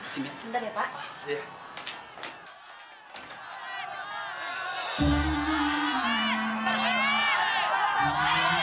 sebentar ya pak